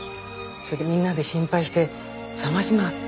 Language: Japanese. それでみんなで心配して捜し回って。